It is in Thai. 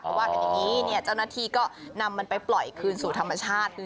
แต่ว่าแบบนี้เจ้าหน้าที่ก็นำมันไปปล่อยคืนสู่ธรรมชาติ